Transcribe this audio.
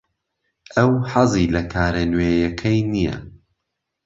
ئەو حەزی لە کارە نوێیەکەی نییە.